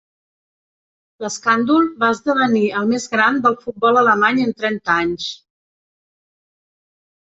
L'escàndol va esdevenir el més gran del futbol alemany en trenta anys.